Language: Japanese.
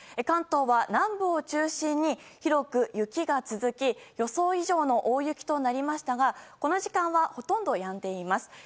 関東は南部を中心に広く雪が続き予想以上の大雪となりましたがこの時間はほとんどやんでいます。